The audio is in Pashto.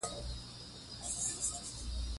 ازادي راډیو د تعلیم په اړه د حکومت اقدامات تشریح کړي.